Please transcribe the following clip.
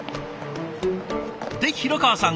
で廣川さん